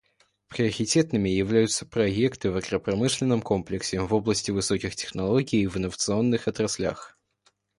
Приоритетными являются проекты в агропромышленном комплексе, в области высоких технологий и в инновационных отраслях.